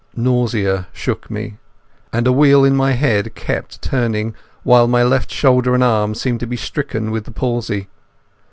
Nausea shook me, and a wheel in my head kept turning, while my left shoulder and arm seemed to be stricken with the palsy.